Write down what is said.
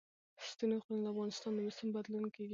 ستوني غرونه د افغانستان د موسم د بدلون سبب کېږي.